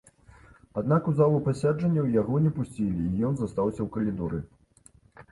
Аднак у залу пасяджэнняў яго не пусцілі і ён застаўся ў калідоры.